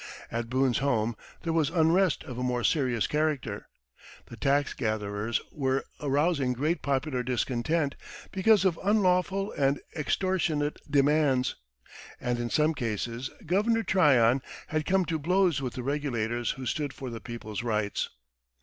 At Boone's home there was unrest of a more serious character. The tax gatherers were arousing great popular discontent because of unlawful and extortionate demands, and in some cases Governor Tryon had come to blows with the regulators who stood for the people's rights.